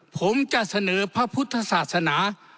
ผมจะเสนอพระพุทธศาสนา